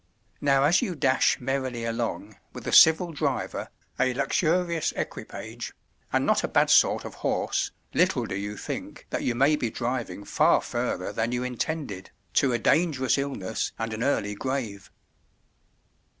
Now as you dash merrily along, with a civil driver, a luxurious equipage, and not a bad sort of horse, little do you think that you may be driving far further than you intended, to a dangerous illness and an early grave.